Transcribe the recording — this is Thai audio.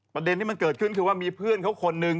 ประเด็นที่มันเกิดขึ้นคือว่ามีเพื่อนเขาคนหนึ่ง